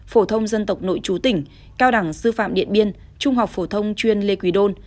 phổ thông dân tộc nội chú tỉnh cao đẳng sư phạm điện biên trung học phổ thông chuyên lê quỳ đôn